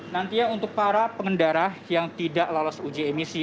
nantinya untuk para pengendara yang tidak lolos uji emisi